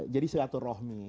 jadi silatur rohmi